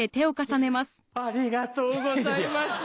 ありがとうございます。